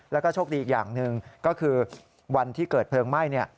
แล้วก็โชคดีอีกอย่างหนึ่งก็คือวันที่เกิดเพลิงไหม้